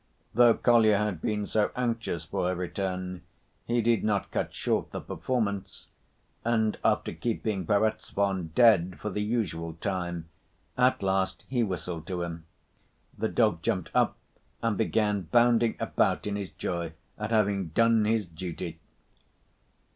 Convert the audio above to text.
Though Kolya had been so anxious for her return, he did not cut short the performance, and after keeping Perezvon dead for the usual time, at last he whistled to him. The dog jumped up and began bounding about in his joy at having done his duty.